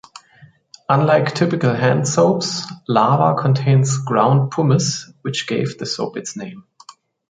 Unlike typical hand soaps, Lava contains ground pumice, which gave the soap its name.